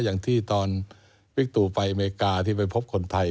อย่างที่ตอนวิกตูไปอเมริกาที่ไปพบคนไทย